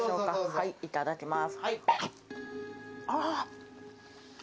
はい、いただきます。